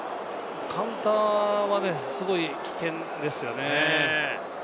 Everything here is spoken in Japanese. カウンターはすごく危険ですよね。